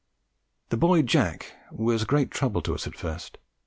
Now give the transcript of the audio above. The boy Jack was a great trouble to us at first.